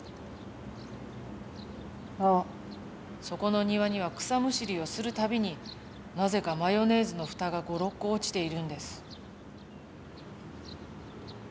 そこの庭には草むしりをする度になぜかマヨネーズの蓋が５６個落ちているんです。